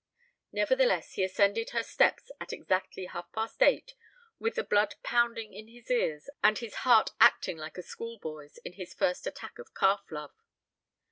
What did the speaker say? Nevertheless, he ascended her steps at exactly half past eight with the blood pounding in his ears and his heart acting like a schoolboy's in his first attack of calf love.